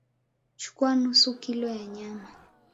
Chukua nusu kilo ya nyama